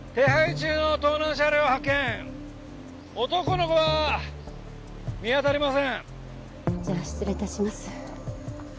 じゃあ失礼いたします。